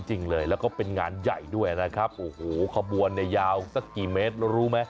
จริงเลยแล้วก็เป็นงานใหญ่ด้วยนะครับโอ้โหขบวนเนี่ยยาวสักกี่เมตรแล้วรู้ไหม